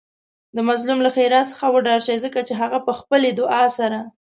د مظلوم له ښیرا څخه وډار شئ ځکه هغه په خپلې دعاء سره